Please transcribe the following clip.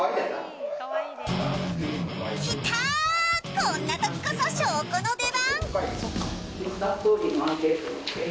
こんなときこそ証拠の出番。